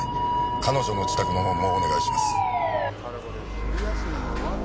彼女の自宅の方もお願いします。